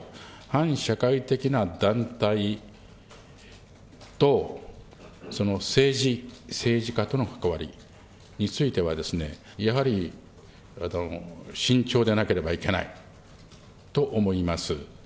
反社会的な団体とその政治家との関わりについては、やはり慎重でなければいけないと思います。